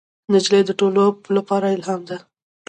نجلۍ د ټولو لپاره الهام ده.